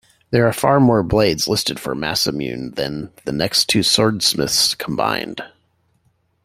There are far more blades listed for Masamune than the next two swordsmiths combined.